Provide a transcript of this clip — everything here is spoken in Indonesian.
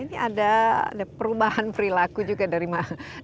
ini ada perubahan perilaku juga dari pak arief